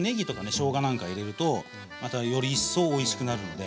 しょうがなんか入れるとまたより一層おいしくなるので。